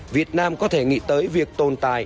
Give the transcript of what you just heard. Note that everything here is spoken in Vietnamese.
việt nam có thể nghĩ tới việc tồn tại